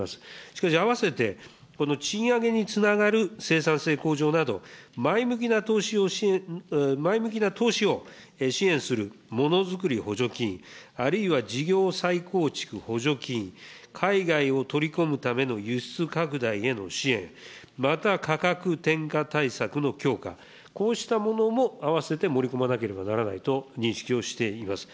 しかし、併せてこの賃上げにつながる生産性向上など前向きな投資を支援するものづくり補助金、あるいは事業再構築補助金、海外を取り込むための輸出拡大への支援、また価格転嫁対策の強化、こうしたものも併せて盛り込まなければならないと認識をしています。